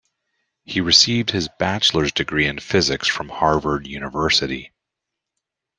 He received his bachelor's degree in physics from Harvard University.